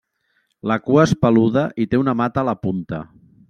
La cua és peluda i té una mata a la punta.